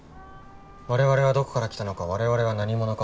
「我々はどこから来たのか我々は何者か」